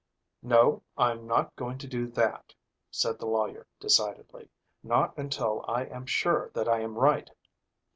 "No, I'm not going to do that," said the lawyer decidedly, "not until I am sure that I am right.